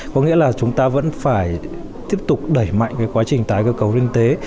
có nghĩa là chúng ta vẫn phải tiếp tục đẩy mạnh quá trình tái cơ cấu liên tế